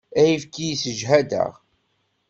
Ayefki yessejhad-aɣ.